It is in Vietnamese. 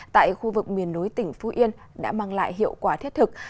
tại khu vực miền núi tỉnh phú yên đã mang lại hiệu quả thiết thực